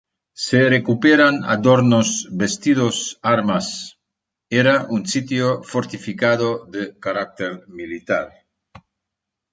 Se recuperan adornos, vestidos, armas… Era un sitio fortificado de carácter militar.